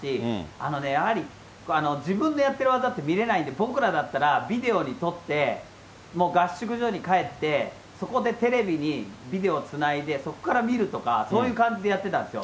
あのね、やはり自分でやってる技って見れないんで、僕らだったら、ビデオに撮って、もう合宿所に帰って、そこでテレビにビデオをつないで、そこから見るとか、そういう感じでやってたんですよ。